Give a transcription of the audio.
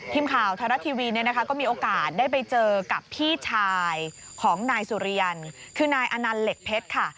พิมพ์ข่าวทาระทีวีก็มีโอกาสได้ไปเจอกับพี่ชายของนายสุริยันคือนายอนัลเหล็กเพชรค่ะ